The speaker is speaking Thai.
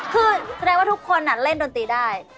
คือแสดงว่าทุกคนเล่นดนตรีได้